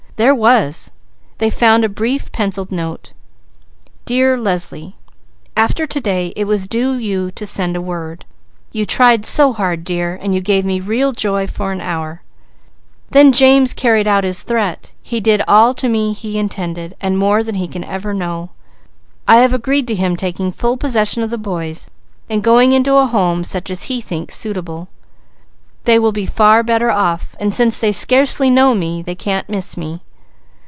There was. They found a brief, pencilled note. DEAR LESLIE: _After to day, it was due you to send a word. You tried so hard dear, and you gave me real joy for an hour. Then James carried out his threat. He did all to me he intended, and more than he can ever know. I have agreed to him taking full possession of the boys, and going into a home such as he thinks suitable. They will be far better off, and since they scarcely know me, they can't miss me.